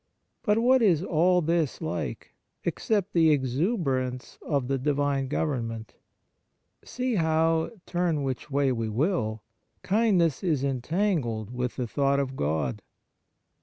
But what is all this like, except the exuberance of the Divine government ? See how, turn which way we will, kindness is entangled with the thought of God